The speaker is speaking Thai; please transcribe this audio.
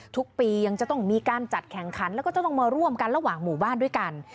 ทุกปียังจะต้องมีการจัดแข่งขันแล้วก็จะต้องมาร่วมกันระหว่างหมู่บ้านด้วยกัน